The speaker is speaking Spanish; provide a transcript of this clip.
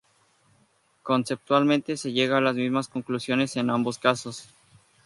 Conceptualmente se llega a las mismas conclusiones en ambos casos.